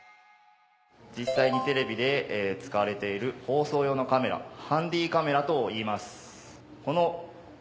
実際にテレビで使われている放送用のカメラハンディーカメラといいます。